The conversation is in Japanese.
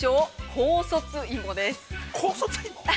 ◆高卒芋？